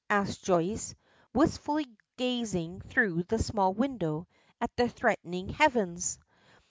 asks Joyce, wistfully gazing through the small window at the threatening heavens.